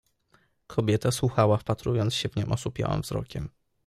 Kobieta słuchała, wpatrując się w nią osłupiałym wzrokiem.